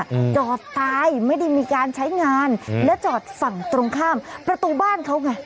อืมจอดตายไม่ได้มีการใช้งานอืมและจอดฝั่งตรงข้ามประตูบ้านเขาไง